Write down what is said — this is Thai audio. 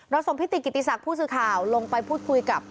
ส่งพิติกิติศักดิ์ผู้สื่อข่าวลงไปพูดคุยกับ